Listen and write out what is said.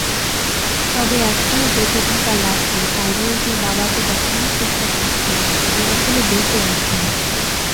তবে এখনও বেঁচে থাকা লাকি পালিয়ে গিয়ে বাবাকে দেখানোর চেষ্টা করছেন যে তিনি আসলে বেঁচে আছেন।